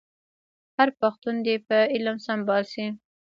هر پښتون دي په علم سمبال شي.